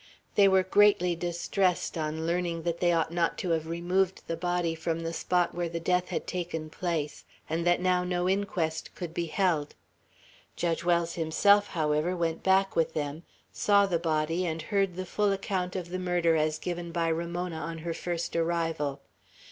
They were greatly distressed on learning that they ought not to have removed the body from the spot where the death had taken place, and that now no inquest could be held. Judge Wells himself, however, went back with them, saw the body, and heard the full account of the murder as given by Ramona on her first arrival.